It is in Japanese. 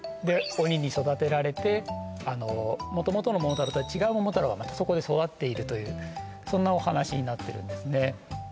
鬼に育てられて元々のももたろうとは違うももたろうがまたそこで育っているというそんなお話になってるんですね